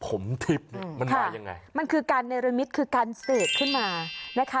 ผมทิพย์มันมายังไงมันคือการเนรมิตคือการเสกขึ้นมานะคะ